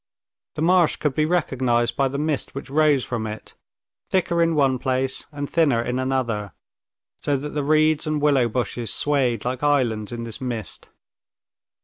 The marsh could be recognized by the mist which rose from it, thicker in one place and thinner in another, so that the reeds and willow bushes swayed like islands in this mist.